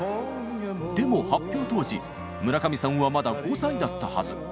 でも発表当時村上さんはまだ５歳だったはず。